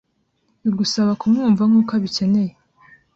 bigusaba kumwumva nkuko abikeneye